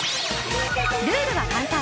ルールは簡単。